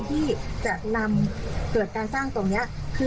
ที่จะนำเกิดการสร้างตรงนี้